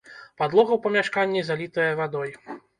Падлога ў памяшканні залітая вадой.